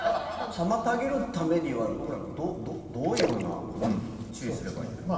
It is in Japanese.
妨げるためには僕らなんかどういうようなことに注意すればいいんだろう。